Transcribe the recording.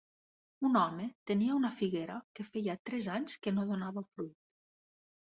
Un home tenia una figuera que feia tres anys que no donava fruit.